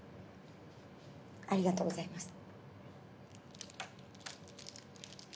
ありがとうございます。